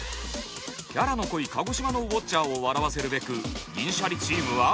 キャラの濃い鹿児島のウォッチャーを笑わせるべく銀シャリチームは。